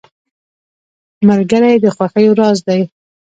ملګری د خوښیو راز دی.